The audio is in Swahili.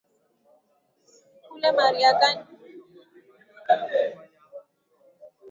Kule Marekani suala hilo lilisababisha mfarakano wa majimbo ya kusini